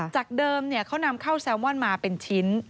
จากเดิมเขานำเข้าแซลมอนมาเป็นชิ้น